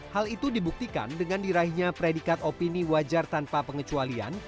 hal itu dibuktikan dengan diraihnya predikat opini wajar tanpa pengecualian